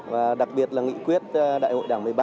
và đặc biệt là nghị quyết đại hội đảng một mươi ba